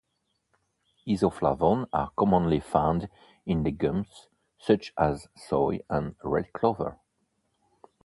Isoflavones are commonly found in legumes such as soy and red clover.